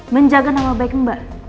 menjaga nama baik mba